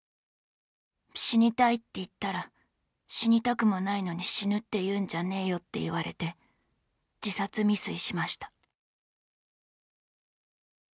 「死にたいって言ったら「死にたくもないのに死ぬって言うんじゃねぇよ」って言われて自殺未遂しました」